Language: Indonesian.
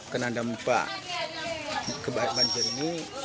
karena ada mumpak kebanjir ini